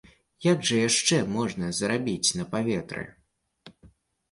Як жа яшчэ можна зарабіць на паветры?